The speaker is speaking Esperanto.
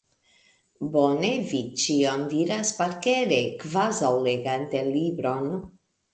Bone vi ĉion diras parkere, kvazaŭ legante libron!